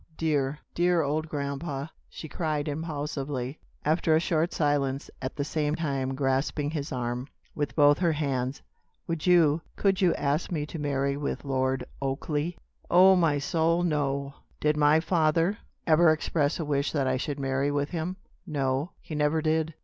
Dear, dear old grandpa," she cried impulsively, after a short silence, at the same time grasping his arm with both her hands, "would you, could you ask me to marry with Lord Oakleigh?" "Oh, my soul, no!" "Did my father ever express a wish that I should marry with him?" "No; he never did."